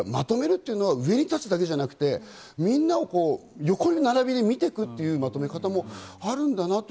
まとめるというのは上に立つだけじゃなくて、みんなを横並びに見ていくというまとめ方もあるんだなと。